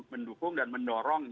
mendukung dan mendorong